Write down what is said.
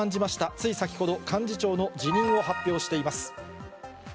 つい先ほど、幹事長の辞任を発表しています。